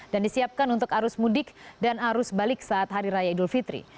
dan disiapkan untuk arus mudik dan arus balik saat hari raya idul fitri